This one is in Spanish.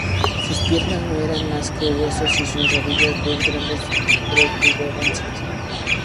Sus piernas no eran más que huesos y sus rodillas dos grandes protuberancias.